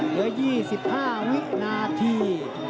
เหลือ๒๕วินาที